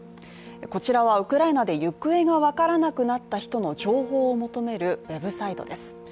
こちらはウクライナで行方が分からなくなった人の情報を求めるウェブサイトです。